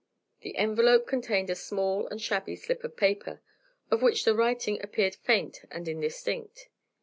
The envelope contained a small and shabby slip of paper, of which the writing appeared faint and indistinct.